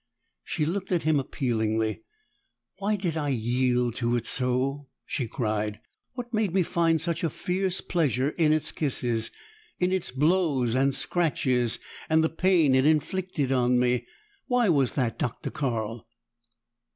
She looked at him appealingly. "Why did I yield to it so?" she cried. "What made me find such a fierce pleasure in its kisses in its blows and scratches, and the pain it inflicted on me? Why was that, Dr. Carl?"